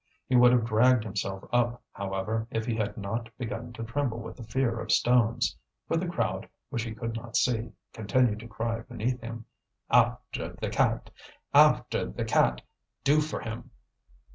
He would have dragged himself up, however, if he had not begun to tremble with the fear of stones; for the crowd, which he could not see, continued to cry beneath him: "After the cat! after the cat! Do for him!"